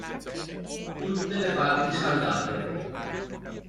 Tutte le parti saldate.